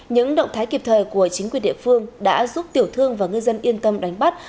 những động thái kịp thời của chính quyền địa phương đã giúp tiểu thương và ngư dân yên tâm đánh bắt